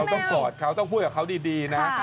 ต้องกอดเขาต้องพูดกับเขาดีนะ